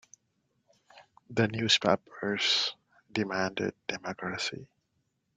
The newspapers demanded democracy.